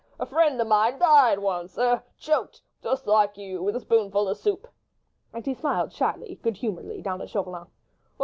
—a friend of mine died once ... er ... choked ... just like you ... with a spoonful of soup." And he smiled shyly, good humouredly, down at Chauvelin.